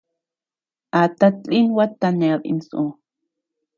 A tatlin gua taned insu.